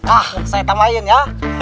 ah saya tamain ya